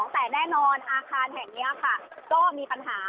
แต่แน่นอนอาคารแห่งนี้ค่ะก็มีปัญหา